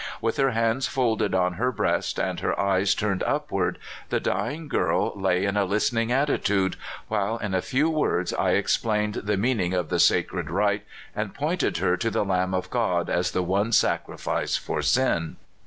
With her hands folded on her breast, and her eyes turned upward, the dying girl lay in a listening attitude, while in a few words I explained the meaning of the sacred rite and pointed her to the Lamb of God as the one sacrifice for sin.